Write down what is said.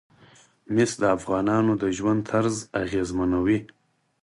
مس د افغانانو د ژوند طرز اغېزمنوي.